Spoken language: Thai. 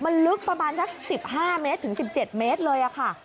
มันลึกประมาณสัก๑๕เมตรถึง๑๗เมตรเลยค่ะ